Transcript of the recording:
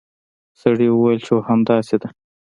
سړي وویل چې هو همداسې ده.